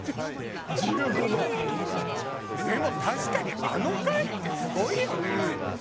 でも確かにあの貝ってすごいよね。